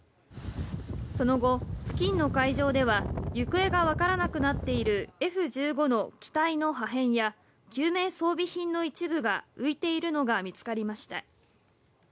その後、付近の海上では行方がわからなくなっているＦ１５の機体の破片や救命装備品の一部が浮いているのが見つかりました。